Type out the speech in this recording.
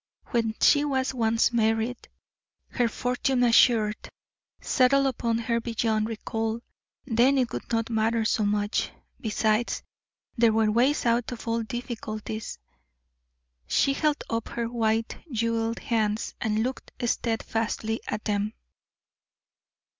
When she was once married, her fortune assured settled upon her beyond recall then it would not matter so much. Besides, there were ways out of all difficulties. She held up her white, jeweled hands and looked steadfastly at them.